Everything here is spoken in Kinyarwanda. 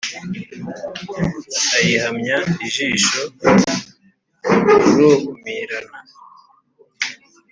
Ayihamya ijisho rurumirana